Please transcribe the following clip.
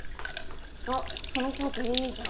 あっそのコートいいじゃん。